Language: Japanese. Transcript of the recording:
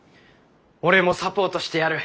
俺もサポートしてやる。